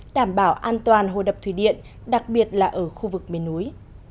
đảm bảo an toàn hồ đập thủy điện đặc biệt là ở khu vực miền núi